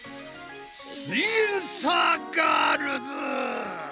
すイエんサーガールズ！